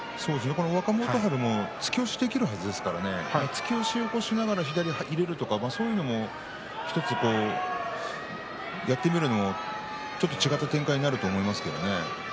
若元春も突き押しができるはずですから突き押しをしながら左を入れるとかそういうのも１つやってみるのも違った展開になると思いますけどね。